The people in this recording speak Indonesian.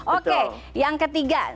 oke yang ketiga